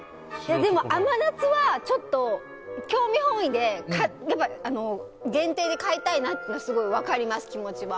でも、甘夏はちょっと興味本位で限定で買いたいなってのはすごい分かります、気持ちは。